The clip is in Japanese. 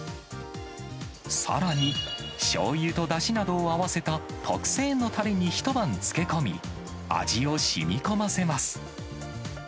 さらにしょうゆとだしなどを合わせた特製のたれに一晩漬けこみ、味をしみこませます。